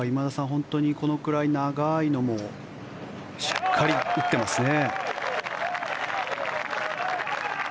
本当にこのくらい長いのもしっかり打ってますね。